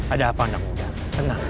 ada apa anda mau tenang